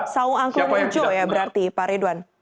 saung angklung ujoh ya berarti pak ridwan